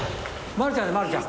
まるちゃんだまるちゃん。